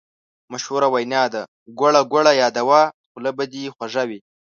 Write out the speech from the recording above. مشهوره وینا ده: ګوړه ګوړه یاده وه خوله به دې خوږه وي.